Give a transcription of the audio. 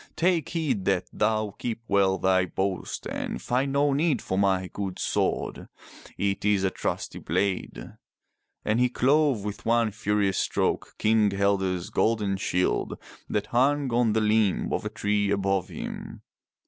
Take heed that thou keep well thy boast and find no need for my good sword. It is a trusty blade." And he clove with one furious stroke King Helge's golden shield that hung on the limb of a tree above him.